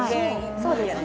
そうですね